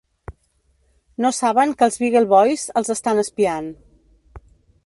No saben que els Beagle Boys els estan espiant.